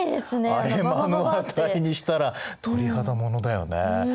あれ目の当たりにしたら鳥肌ものだよね。